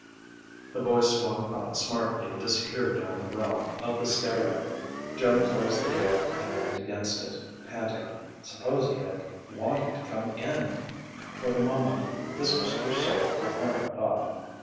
The boy swung about smartly and disappeared down the well of the stairway. Joan closed the door, and leaned against it, panting. Suppose he had wanted to come in!... For the moment, this was her sole coherent thought.